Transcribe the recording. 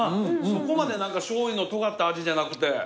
そこまでしょうゆのとがった味じゃなくて。